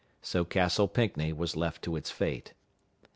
So Castle Pinckney was left to its fate.